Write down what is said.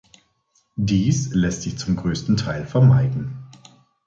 Dies lässt sich zum größten Teil vermeiden.